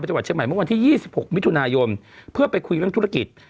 บริษัทเชียงใหม่เมื่อกว่าที่ยี่สิบหกมิถุนายมเพื่อไปคุยเรื่องธุรกิจ